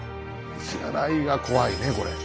支払いが怖いねこれ。